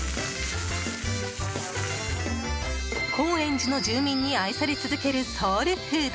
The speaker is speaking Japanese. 高円寺の住民に愛され続けるソウルフード